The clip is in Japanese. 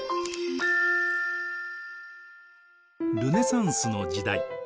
ルネサンスの時代。